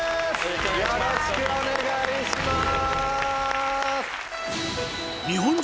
よろしくお願いします！